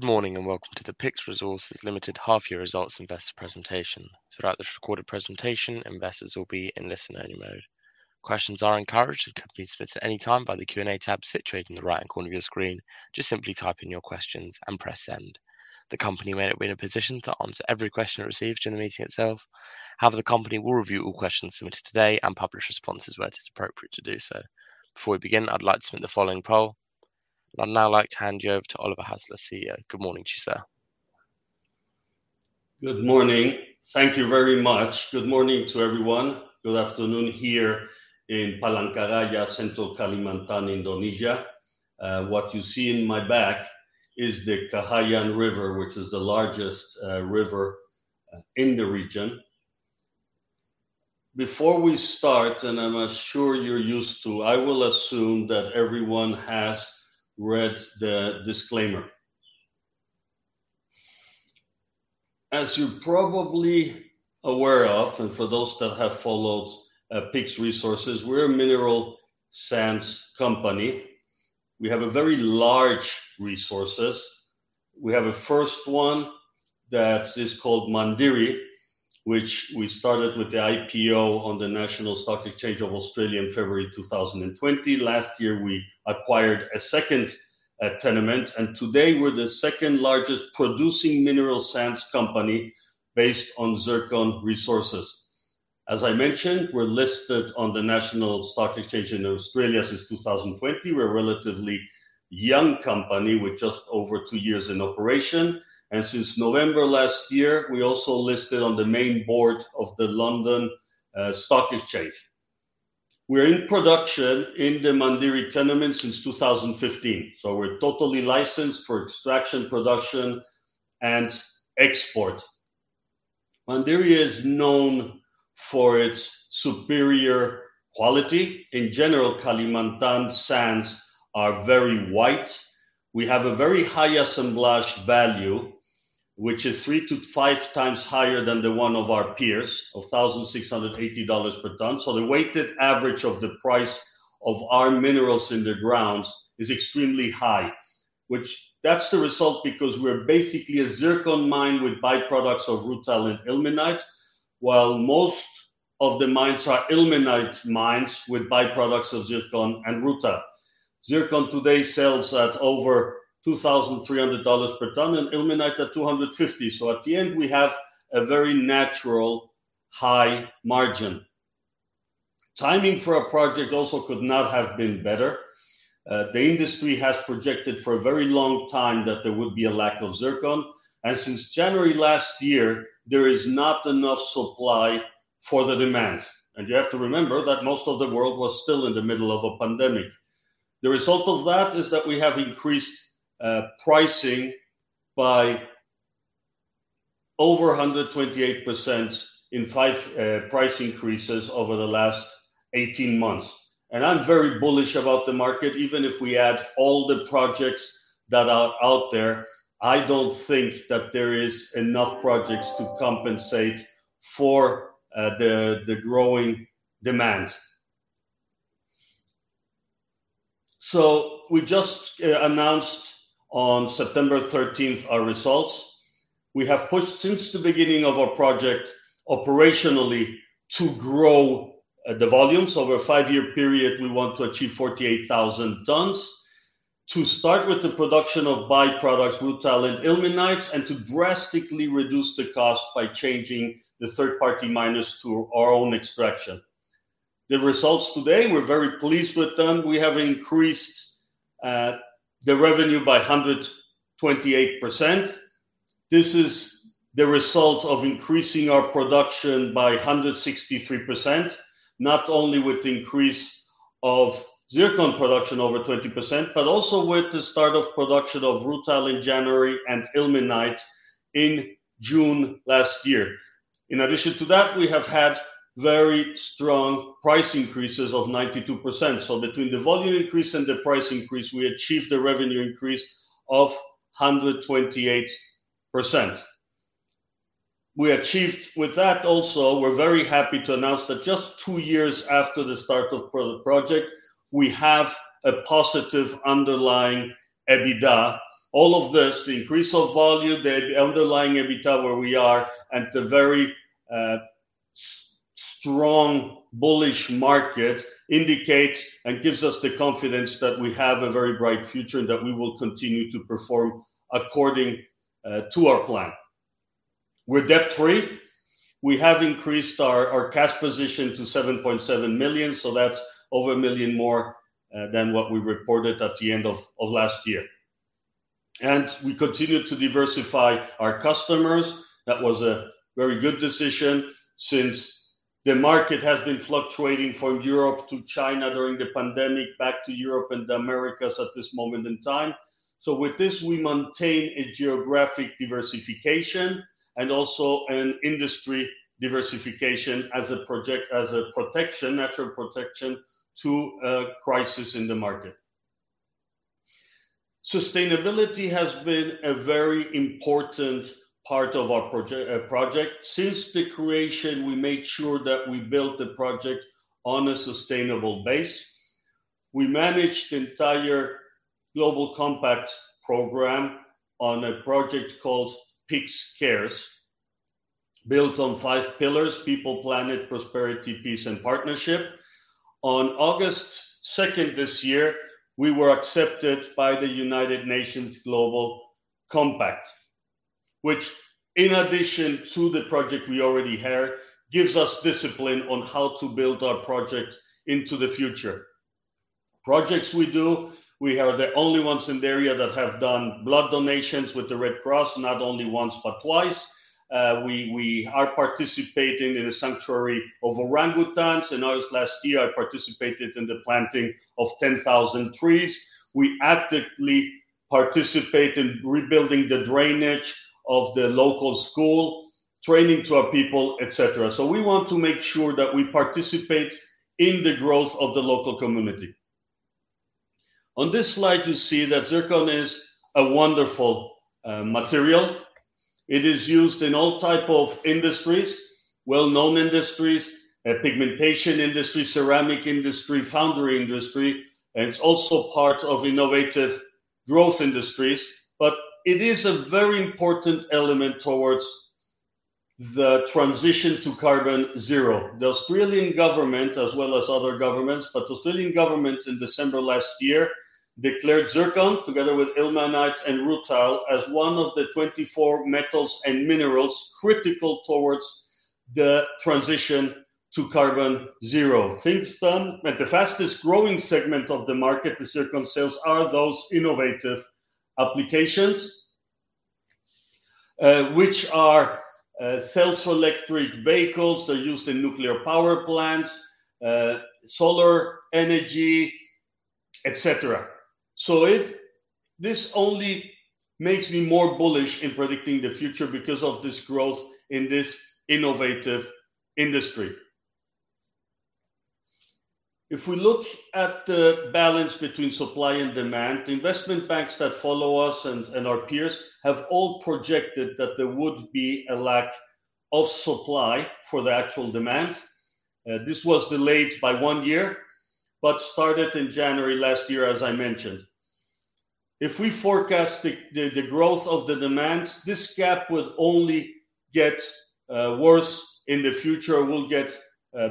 Good morning, and welcome to the PYX Resources Limited half-year results investor presentation. Throughout this recorded presentation, investors will be in listen-only mode. Questions are encouraged and can be submitted at any time by the Q&A tab situated in the right-hand corner of your screen. Just simply type in your questions and press Send. The company may not be in a position to answer every question it receives during the meeting itself. However, the company will review all questions submitted today and publish responses where it is appropriate to do so. Before we begin, I'd like to run the following poll. I'd now like to hand you over to Oliver Hasler, CEO. Good morning to you, sir. Good morning. Thank you very much. Good morning to everyone. Good afternoon here in Palangka Raya, Central Kalimantan, Indonesia. What you see in my back is the Kahayan River, which is the largest river in the region. Before we start, and I'm sure you're used to, I will assume that everyone has read the disclaimer. As you're probably aware of, and for those that have followed, PYX Resources, we're a mineral sands company. We have a very large resources. We have a first one that is called Mandiri, which we started with the IPO on the National Stock Exchange of Australia in February 2020. Last year, we acquired a second tenement, and today we're the second-largest producing mineral sands company based on zircon resources. As I mentioned, we're listed on the National Stock Exchange in Australia since 2020. We're a relatively young company with just over two years in operation, and since November last year, we also listed on the main board of the London Stock Exchange. We're in production in the Mandiri tenement since 2015, so we're totally licensed for extraction, production, and export. Mandiri is known for its superior quality. In general, Kalimantan sands are very white. We have a very high assemblage value, which is 3x-5x higher than the one of our peers of $1,680 per ton. The weighted average of the price of our minerals in the grounds is extremely high, which that's the result because we're basically a zircon mine with byproducts of rutile and ilmenite, while most of the mines are ilmenite mines with byproducts of zircon and rutile. Zircon today sells at over $2,300 per ton and ilmenite at $250. At the end, we have a very natural high margin. Timing for our project also could not have been better. The industry has projected for a very long time that there would be a lack of zircon, and since January last year, there is not enough supply for the demand. You have to remember that most of the world was still in the middle of a pandemic. The result of that is that we have increased pricing by over 128% in five price increases over the last 18 months. I'm very bullish about the market. Even if we add all the projects that are out there, I don't think that there is enough projects to compensate for the growing demand. We just announced on September 13 our results. We have pushed since the beginning of our project operationally to grow the volumes. Over a five-year period, we want to achieve 48,000 tons. To start with the production of byproducts, rutile and ilmenite, and to drastically reduce the cost by changing the third-party miners to our own extraction. The results today, we're very pleased with them. We have increased the revenue by 128%. This is the result of increasing our production by 163%, not only with the increase of zircon production over 20%, but also with the start of production of rutile in January and ilmenite in June last year. In addition to that, we have had very strong price increases of 92%. Between the volume increase and the price increase, we achieved a revenue increase of 128%. We achieved with that also. We're very happy to announce that just two years after the start of the project, we have a positive underlying EBITDA. All of this, the increase of volume, the underlying EBITDA where we are at a very strong bullish market, indicates and gives us the confidence that we have a very bright future and that we will continue to perform according to our plan. We're debt-free. We have increased our cash position to $7.7 million, so that's over $1 million more than what we reported at the end of last year. We continue to diversify our customers. That was a very good decision since the market has been fluctuating from Europe to China during the pandemic, back to Europe and the Americas at this moment in time. With this, we maintain a geographic diversification and also an industry diversification as a protection, natural protection to a crisis in the market. Sustainability has been a very important part of our project. Since the creation, we made sure that we built the project on a sustainable base. We managed the entire Global Compact program on a project called PYX Cares, built on five pillars, people, planet, prosperity, peace, and partnership. On August second this year, we were accepted by the United Nations Global Compact, which in addition to the project we already had, gives us discipline on how to build our project into the future. Projects we do, we are the only ones in the area that have done blood donations with the Red Cross, not only once but twice. We are participating in a sanctuary of orangutans. In August last year, I participated in the planting of 10,000 trees. We actively participate in rebuilding the drainage of the local school, training to our people, et cetera. We want to make sure that we participate in the growth of the local community. On this slide, you see that zircon is a wonderful material. It is used in all type of industries, well-known industries, a pigmentation industry, ceramic industry, foundry industry, and it's also part of innovative growth industries. It is a very important element towards the transition to carbon zero. The Australian government, as well as other governments, but the Australian government in December last year declared zircon, together with ilmenite and rutile, as one of the 24 metals and minerals critical towards the transition to carbon zero. Things done. The fastest-growing segment of the market, the zircon sales, are those innovative applications, which are cells for electric vehicles. They're used in nuclear power plants, solar energy, et cetera. This only makes me more bullish in predicting the future because of this growth in this innovative industry. If we look at the balance between supply and demand, the investment banks that follow us and our peers have all projected that there would be a lack of supply for the actual demand. This was delayed by one year, but started in January last year, as I mentioned. If we forecast the growth of the demand, this gap will only get worse in the future, will get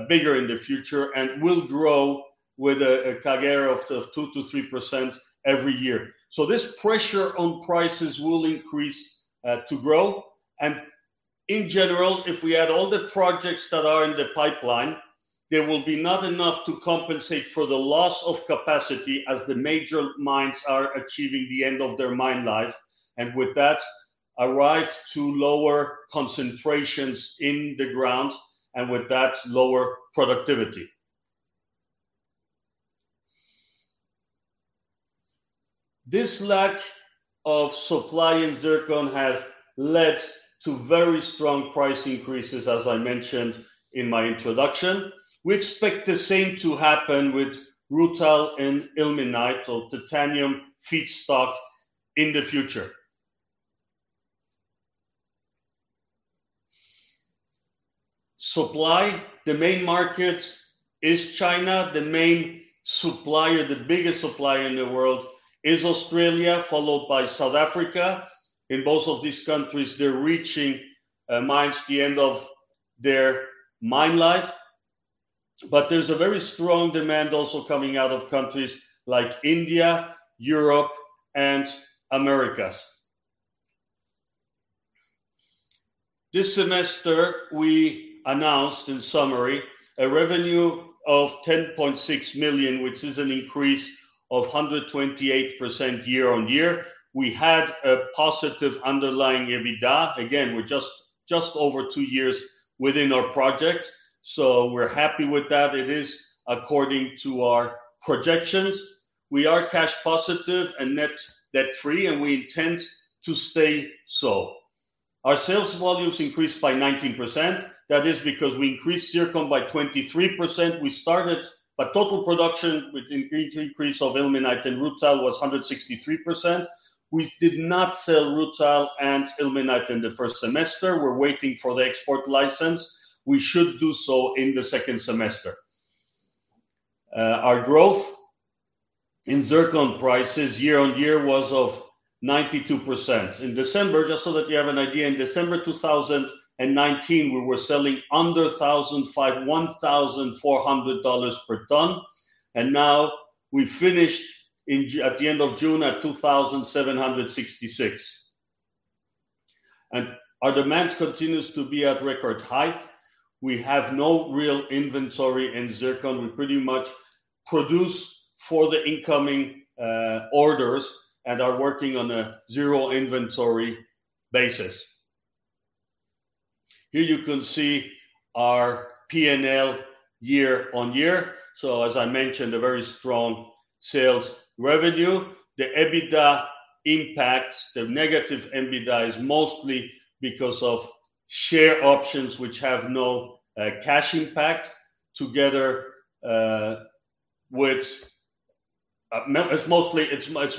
bigger in the future, and will grow with a CAGR of 2%-3% every year. This pressure on prices will increase to grow. In general, if we add all the projects that are in the pipeline, there will be not enough to compensate for the loss of capacity as the major mines are achieving the end of their mine life, and with that, arrive to lower concentrations in the ground, and with that, lower productivity. This lack of supply in zircon has led to very strong price increases, as I mentioned in my introduction. We expect the same to happen with rutile and ilmenite, or titanium feedstock, in the future. Supply, the main market is China. The main supplier, the biggest supplier in the world is Australia, followed by South Africa. In both of these countries, they're reaching the end of their mine life. There's a very strong demand also coming out of countries like India, Europe, and Americas. This semester, we announced, in summary, a revenue of $10.6 million, which is an increase of 128% year on year. We had a positive underlying EBITDA. Again, we're just over two years within our project, so we're happy with that. It is according to our projections. We are cash positive and net debt-free, and we intend to stay so. Our sales volumes increased by 19%. That is because we increased zircon by 23%. Total production, which increased of ilmenite and rutile was 163%. We did not sell rutile and ilmenite in the first semester. We're waiting for the export license. We should do so in the second semester. Our growth in zircon prices year-on-year was 92%. In December, just so that you have an idea, in December 2019, we were selling under 1,500, $1,400 per ton, and now we finished at the end of June at $2,766. Our demand continues to be at record heights. We have no real inventory in zircon. We pretty much produce for the incoming orders and are working on a zero inventory basis. Here you can see our P&L year-on-year. As I mentioned, a very strong sales revenue. The negative EBITDA is mostly because of share options which have no cash impact. It's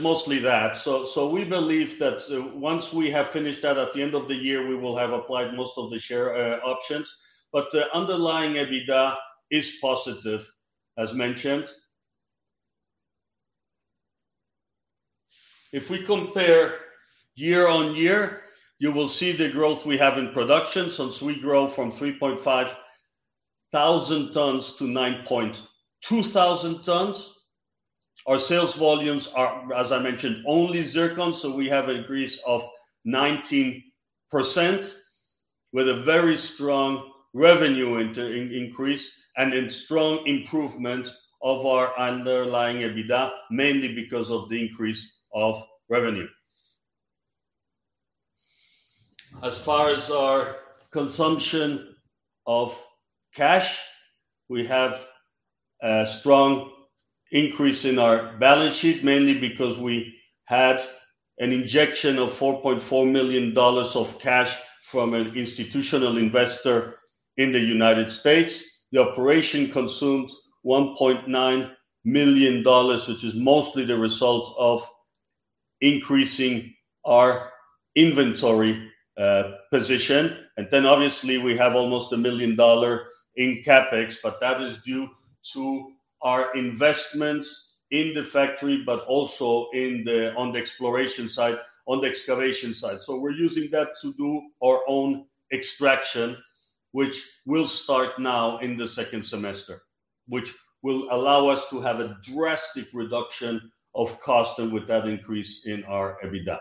mostly that. We believe that once we have finished that at the end of the year, we will have applied most of the share options. The underlying EBITDA is positive as mentioned. If we compare year-on-year, you will see the growth we have in production since we grow from 3,500 tons to 9,200 tons. Our sales volumes are, as I mentioned, only zircon, so we have an increase of 19% with a very strong revenue increase and a strong improvement of our underlying EBITDA mainly because of the increase of revenue. As far as our consumption of cash, we have a strong increase in our balance sheet, mainly because we had an injection of $4.4 million of cash from an institutional investor in the United States. The operation consumed $1.9 million, which is mostly the result of increasing our inventory position. Obviously we have almost $1 million in CapEx, but that is due to our investments in the factory, but also on the exploration side, on the excavation side. We're using that to do our own extraction, which will start now in the second semester, which will allow us to have a drastic reduction of cost and with that increase in our EBITDA.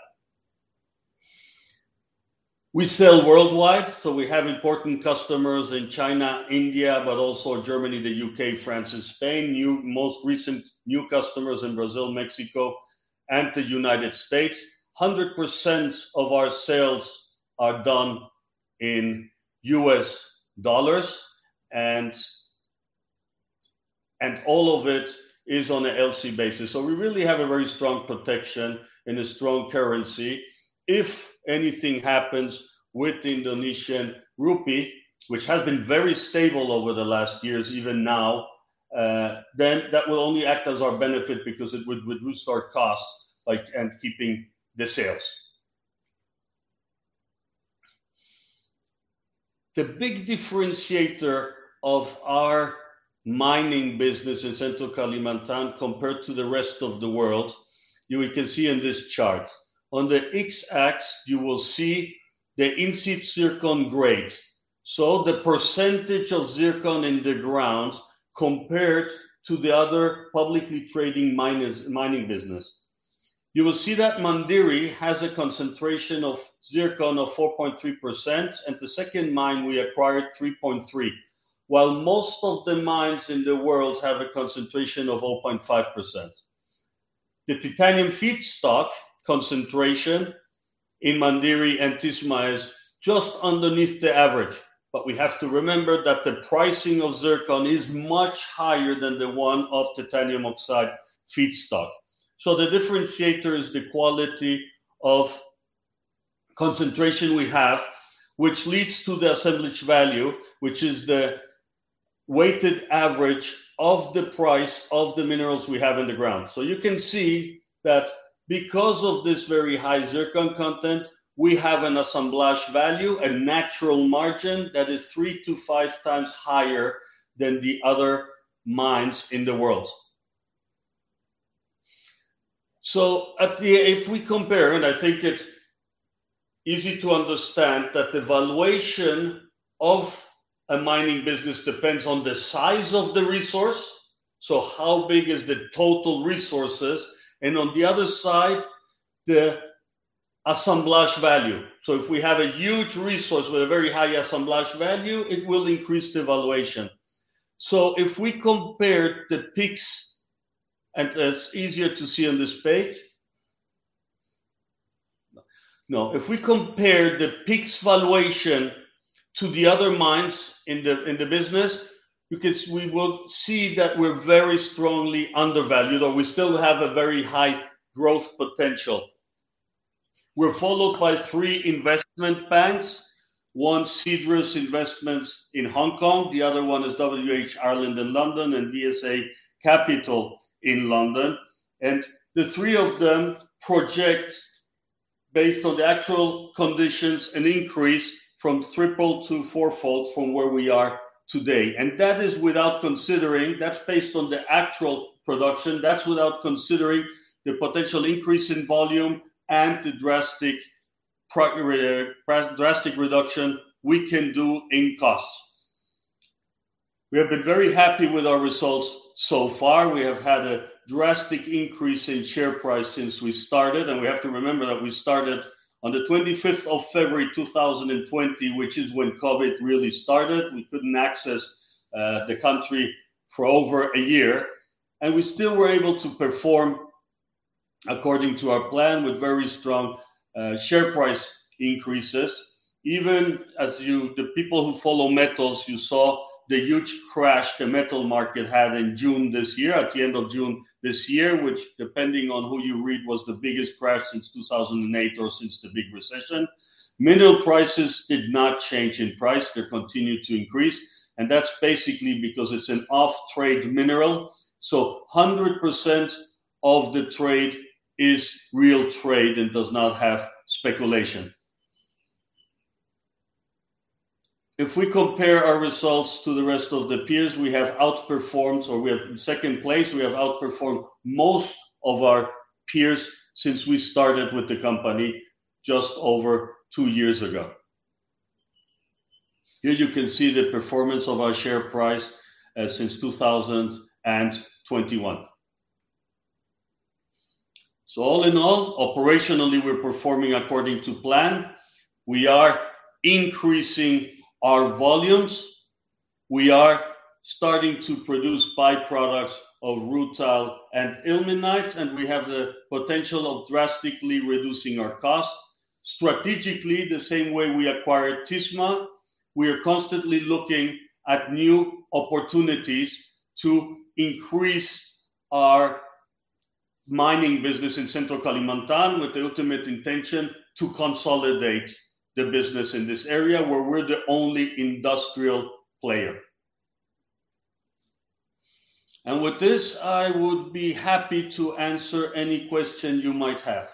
We sell worldwide, so we have important customers in China, India, but also Germany, the U.K., France, and Spain. Most recent new customers in Brazil, Mexico, and the United States. 100% of our sales are done in U.S. dollars and all of it is on a LC basis. We really have a very strong protection and a strong currency. If anything happens with the Indonesian rupiah, which has been very stable over the last years, even now, then that will only act as our benefit because it would boost our costs, like, and keeping the sales. The big differentiator of our mining business in Central Kalimantan compared to the rest of the world, you can see in this chart. On the X-axis, you will see the in-situ zircon grade, so the percentage of zircon in the ground compared to the other publicly traded miners. You will see that Mandiri has a concentration of zircon of 4.3%, and the second mine we acquired three point three. While most of the mines in the world have a concentration of 0.5%. The titanium feedstock concentration in Mandiri and Tisma is just underneath the average. We have to remember that the pricing of zircon is much higher than the one of titanium oxide feedstock. The differentiator is the quality of concentration we have, which leads to the assemblage value, which is the weighted average of the price of the minerals we have in the ground. You can see that because of this very high zircon content, we have an assemblage value and natural margin that is 3x-5x higher than the other mines in the world. If we compare, and I think it's easy to understand that the valuation of a mining business depends on the size of the resource. How big is the total resources? On the other side, the assemblage value. If we have a huge resource with a very high assemblage value, it will increase the valuation. If we compare PYX's, and it's easier to see on this page. No. If we compare PYX's valuation to the other mines in the business, we will see that we're very strongly undervalued, or we still have a very high growth potential. We're followed by three investment banks, one, Cedrus Investments in Hong Kong. The other one is WH Ireland in London and VSA Capital in London. The three of them project based on the actual conditions, an increase from triple to four-fold from where we are today. That is without considering. That's based on the actual production. That's without considering the potential increase in volume and the drastic reduction we can do in costs. We have been very happy with our results so far. We have had a drastic increase in share price since we started, and we have to remember that we started on the 25th February 2020, which is when COVID really started. We couldn't access the country for over a year, and we still were able to perform according to our plan with very strong share price increases. Even the people who follow metals, you saw the huge crash the metal market had in June this year. At the end of June this year, which depending on who you read, was the biggest crash since 2008 or since the big recession. Mineral prices did not change in price. They continued to increase, and that's basically because it's an off-trade mineral. 100% of the trade is real trade and does not have speculation. If we compare our results to the rest of the peers, we have outperformed, or we are in second place. We have outperformed most of our peers since we started with the company just over two years ago. Here you can see the performance of our share price, since 2021. All in all, operationally, we're performing according to plan. We are increasing our volumes. We are starting to produce byproducts of rutile and ilmenite, and we have the potential of drastically reducing our costs. Strategically, the same way we acquired Tisma, we are constantly looking at new opportunities to increase our mining business in Central Kalimantan with the ultimate intention to consolidate the business in this area where we're the only industrial player. With this, I would be happy to answer any question you might have.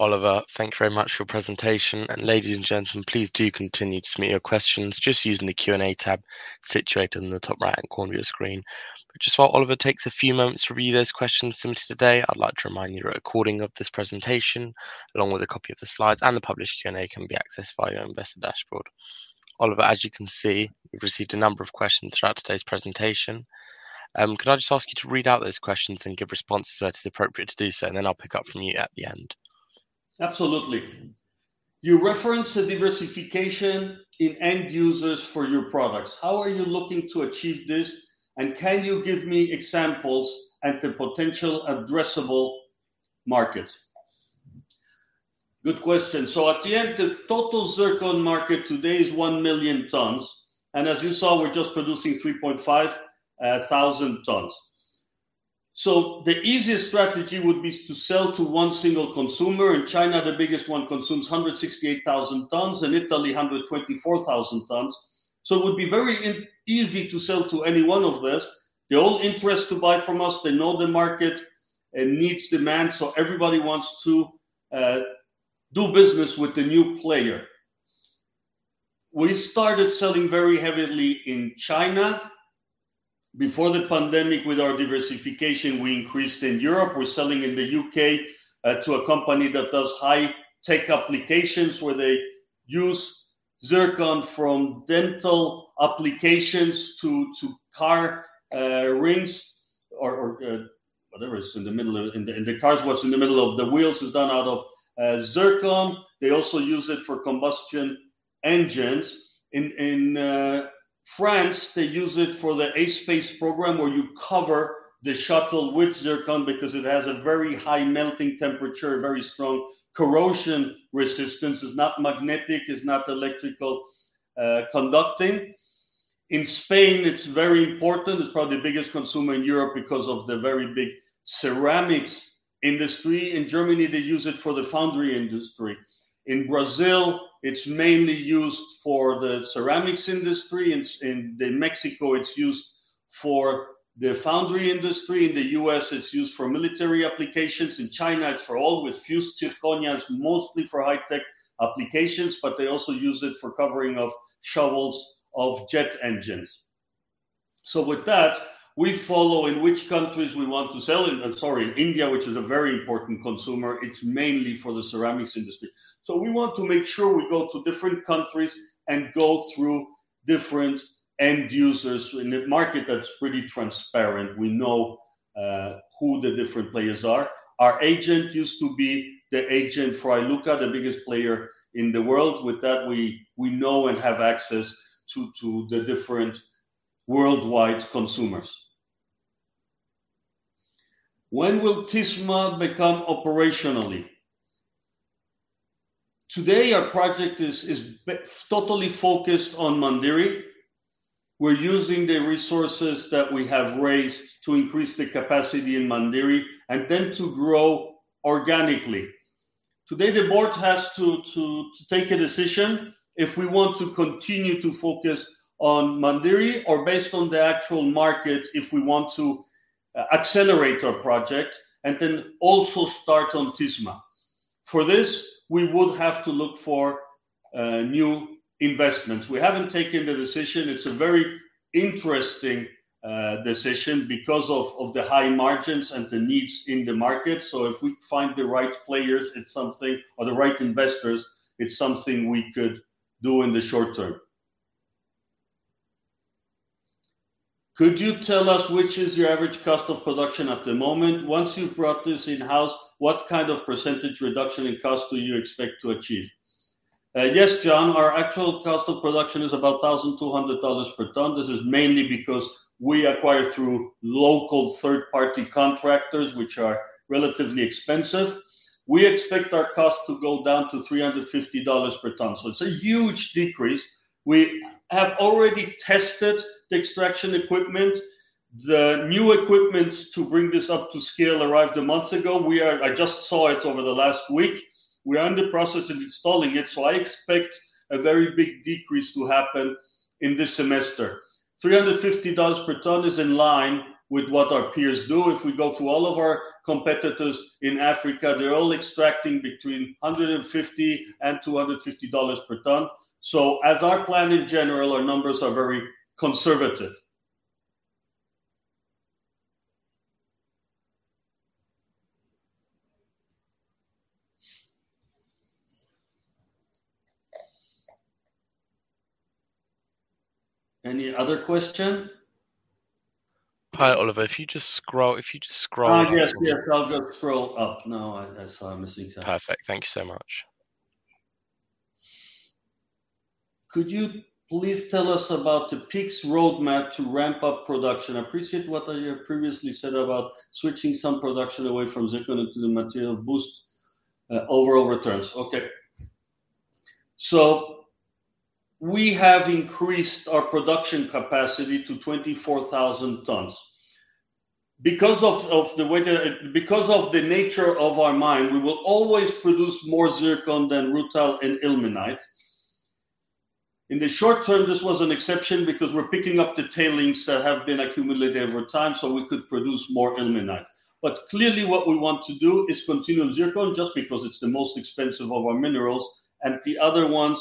Oliver, thank you very much for your presentation. Ladies and gentlemen, please do continue to submit your questions just using the Q&A tab situated in the top right-hand corner of your screen. Just while Oliver takes a few moments to review those questions submitted today, I'd like to remind you a recording of this presentation, along with a copy of the slides and the published Q&A, can be accessed via your investor dashboard. Oliver, as you can see, you've received a number of questions throughout today's presentation. Could I just ask you to read out those questions and give responses where it is appropriate to do so, and then I'll pick up from you at the end. Absolutely. You reference the diversification in end users for your products. How are you looking to achieve this, and can you give me examples and the potential addressable market? Good question. In the end, the total zircon market today is 1 million tons, and as you saw, we're just producing 3,500 tons. The easiest strategy would be to sell to one single consumer. In China, the biggest one consumes 168,000 tons. In Italy, 124,000 tons. It would be very easy to sell to any one of these. They all are interested to buy from us. They know the market. It needs demand, everybody wants to do business with the new player. We started selling very heavily in China. Before the pandemic, with our diversification, we increased in Europe. We're selling in the U.K. to a company that does high-tech applications where they use zircon from dental applications to car rings or whatever is in the middle of the wheels in the cars. What's in the middle of the wheels is done out of zircon. They also use it for combustion engines. In France, they use it for the aerospace program, where you cover the shuttle with zircon because it has a very high melting temperature, very strong corrosion resistance. It's not magnetic, it's not electrically conducting. In Spain, it's very important. It's probably the biggest consumer in Europe because of the very big ceramics industry. In Germany, they use it for the foundry industry. In Brazil, it's mainly used for the ceramics industry. In Mexico, it's used for the foundry industry. In the U.S., it's used for military applications. In China, it's for all, with fused zirconia, mostly for high-tech applications, but they also use it for covering of shovels of jet engines. With that, we follow in which countries we want to sell in. Sorry, in India, which is a very important consumer, it's mainly for the ceramics industry. We want to make sure we go to different countries and go through different end users in a market that's pretty transparent. We know who the different players are. Our agent used to be the agent for Iluka, the biggest player in the world. With that, we know and have access to the different worldwide consumers. When will Tisma become operationally? Today, our project is totally focused on Mandiri. We're using the resources that we have raised to increase the capacity in Mandiri and then to grow organically. Today, the board has to take a decision if we want to continue to focus on Mandiri or, based on the actual market, if we want to accelerate our project and then also start on Tisma. For this, we would have to look for new investments. We haven't taken the decision. It's a very interesting decision because of the high margins and the needs in the market. So if we find the right players or the right investors, it's something we could do in the short term. Could you tell us which is your average cost of production at the moment? Once you've brought this in-house, what kind of percentage reduction in cost do you expect to achieve? Yes, John. Our actual cost of production is about $1,200 per ton. This is mainly because we acquire through local third-party contractors, which are relatively expensive. We expect our cost to go down to $350 per ton, so it's a huge decrease. We have already tested the extraction equipment. The new equipment to bring this up to scale arrived a month ago. I just saw it over the last week. We are in the process of installing it, so I expect a very big decrease to happen in this semester. $350 per ton is in line with what our peers do. If we go through all of our competitors in Africa, they're all extracting between $150 and $250 per ton. As our plan in general, our numbers are very conservative. Any other question? Hi, Oliver. If you just scroll up. Yes. Yes. I'll just scroll up now. I saw I'm missing something. Perfect. Thank you so much. Could you please tell us about the PYX's roadmap to ramp up production? I appreciate what you have previously said about switching some production away from zircon into the titanium boost overall returns. Okay. We have increased our production capacity to 24,000 tons. Because of the nature of our mine, we will always produce more zircon than rutile and ilmenite. In the short term, this was an exception because we're picking up the tailings that have been accumulated over time, so we could produce more ilmenite. Clearly what we want to do is continue zircon just because it's the most expensive of our minerals and the other ones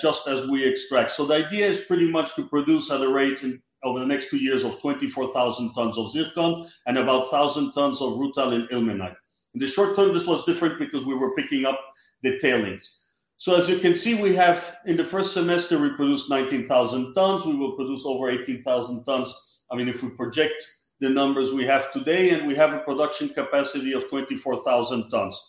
just as we extract. The idea is pretty much to produce at a rate over the next two years of 24,000 tons of zircon and about 1,000 tons of rutile and ilmenite. In the short term, this was different because we were picking up the tailings. As you can see, in the first semester, we produced 19,000 tons. We will produce over 18,000 tons, I mean, if we project the numbers we have today, and we have a production capacity of 24,000 tons.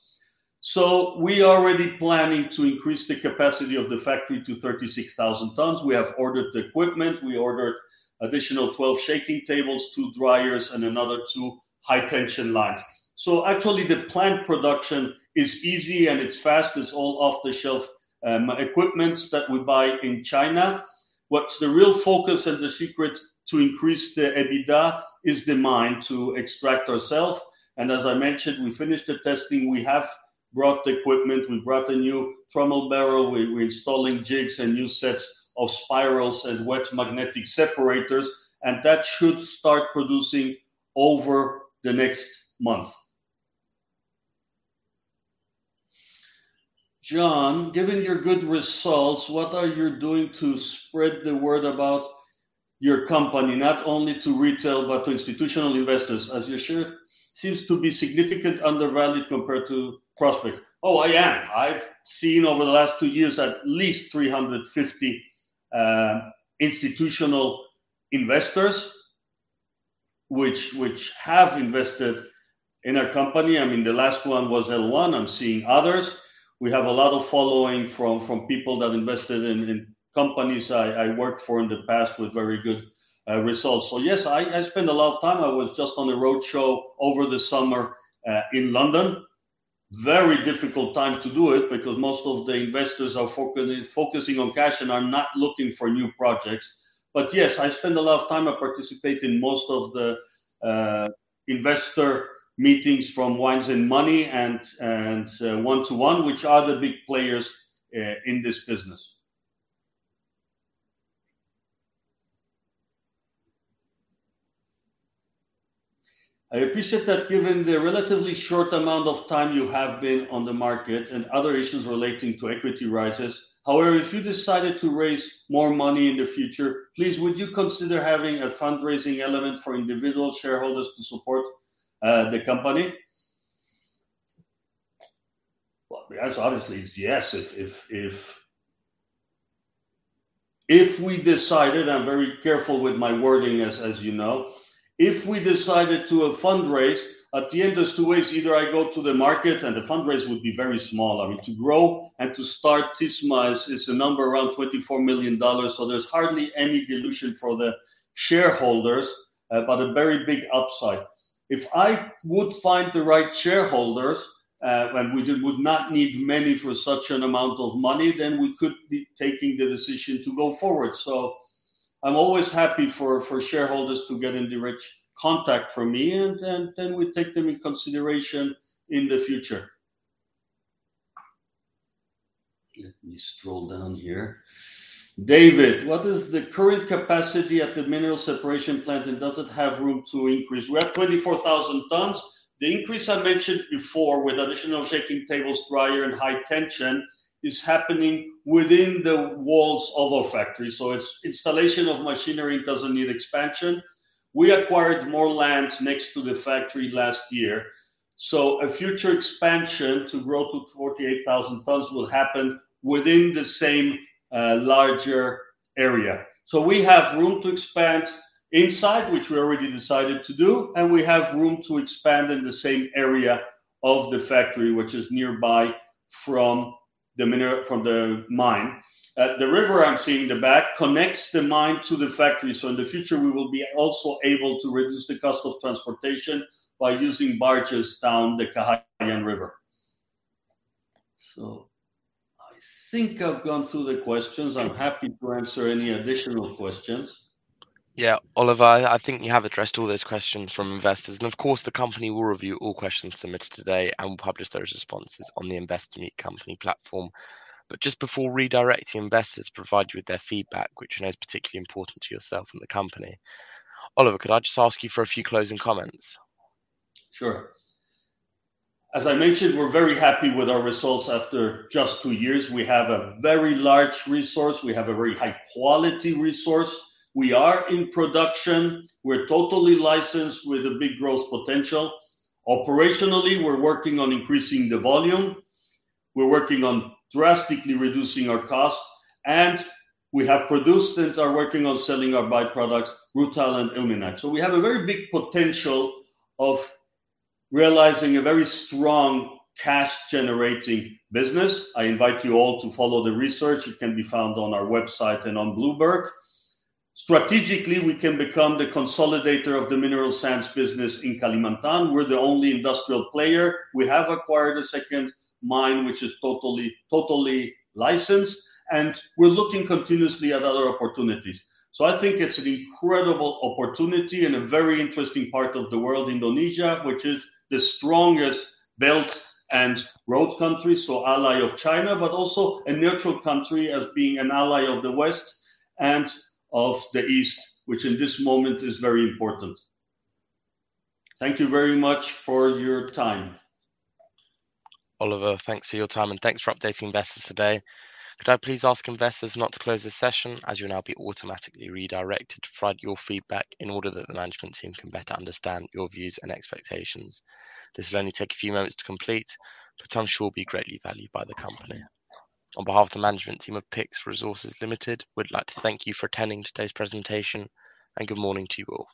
We are already planning to increase the capacity of the factory to 36,000 tons. We have ordered the equipment. We ordered additional 12 shaking tables, two dryers, and another two high-tension lines. Actually, the plant production is easy, and it's fast. It's all off-the-shelf equipment that we buy in China. What's the real focus and the secret to increase the EBITDA is the mine to extract ourselves, and as I mentioned, we finished the testing. We have brought the equipment. We brought a new trommel barrel. We're installing jigs and new sets of spirals and wet magnetic separators, and that should start producing over the next month. "John, given your good results, what are you doing to spread the word about your company, not only to retail, but to institutional investors, as your share seems to be significantly undervalued compared to prospects?" Oh, I am. I've seen over the last two years, at least 350 institutional investors which have invested in our company. I mean, the last one was L1. I'm seeing others. We have a lot of following from people that invested in companies I worked for in the past with very good results. I spend a lot of time. I was just on a roadshow over the summer in London. Very difficult time to do it because most of the investors are focusing on cash and are not looking for new projects. Yes, I spend a lot of time. I participate in most of the investor meetings from Mines and Money and 1-on-1, which are the big players in this business. "I appreciate that given the relatively short amount of time you have been on the market and other issues relating to equity rises. However, if you decided to raise more money in the future, please would you consider having a fundraising element for individual shareholders to support, the company? Well, the answer, obviously, is yes. If we decided, I'm very careful with my wording, as you know. If we decided to fundraise, at the end, there's two ways. Either I go to the market, and the fundraise would be very small. I mean, to grow and to start this mine is a number around $24 million, so there's hardly any dilution for the shareholders, but a very big upside. If I would find the right shareholders, and we would not need many for such an amount of money, then we could be taking the decision to go forward. I'm always happy for shareholders to get in direct contact with me, and then we take them into consideration in the future. Let me scroll down here. David: "What is the current capacity at the mineral separation plant, and does it have room to increase?" We have 24,000 tons. The increase I mentioned before with additional shaking tables, dryer, and high-tension is happening within the walls of our factory. It's installation of machinery, doesn't need expansion. We acquired more land next to the factory last year, so a future expansion to grow to 48,000 tons will happen within the same larger area. We have room to expand inside, which we already decided to do, and we have room to expand in the same area of the factory, which is nearby from the mine. The river I'm seeing in the back connects the mine to the factory, so in the future, we will be also able to reduce the cost of transportation by using barges down the Kahayan River. I think I've gone through the questions. I'm happy to answer any additional questions. Yeah. Oliver, I think you have addressed all those questions from investors, the company will review all questions submitted today and will publish those responses on the Investor Meet Company platform. Just before redirecting investors to provide you with their feedback, which I know is particularly important to yourself and the company, Oliver, could I just ask you for a few closing comments? Sure. As I mentioned, we're very happy with our results after just two years. We have a very large resource. We have a very high quality resource. We are in production. We're totally licensed with a big growth potential. Operationally, we're working on increasing the volume. We're working on drastically reducing our costs, and we have produced and are working on selling our by-products, rutile and ilmenite. We have a very big potential of realizing a very strong cash-generating business. I invite you all to follow the research. It can be found on our website and on Bloomberg. Strategically, we can become the consolidator of the mineral sands business in Kalimantan. We're the only industrial player. We have acquired a second mine, which is totally licensed, and we're looking continuously at other opportunities. I think it's an incredible opportunity in a very interesting part of the world, Indonesia, which is the strongest Belt and Road country, so ally of China, but also a neutral country as being an ally of the West and of the East, which in this moment is very important. Thank you very much for your time. Oliver, thanks for your time, and thanks for updating investors today. Could I please ask investors not to close this session, as you'll now be automatically redirected to provide your feedback in order that the management team can better understand your views and expectations. This will only take a few moments to complete, but I'm sure it'll be greatly valued by the company. On behalf of the management team of PYX Resources Limited, we'd like to thank you for attending today's presentation, and good morning to you all.